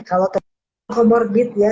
kalau terlindungi komorbid ya